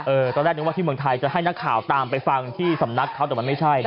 ตอนแรกนึกว่าที่เมืองไทยจะให้นักข่าวตามไปฟังที่สำนักเขาแต่มันไม่ใช่นะ